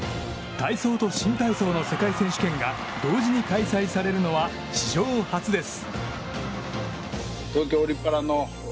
体操と新体操の世界選手権が同時に開催されるのは史上初です。